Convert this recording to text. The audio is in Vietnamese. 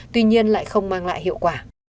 tuy nhiên lại không mang lại hiệu quả